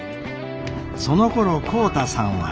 そのころ浩太さんは。